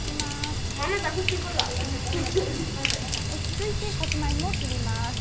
続いて、さつまいもを切ります。